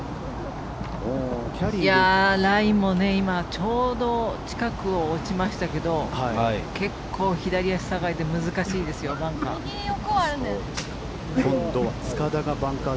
ラインも今ちょうど近くに落ちましたけど結構、左足下がりで難しいですよバンカー。